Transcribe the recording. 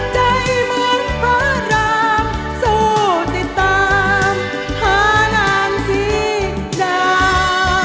ใจเหมือนพระรามสู้ติดตามพระรามสีดา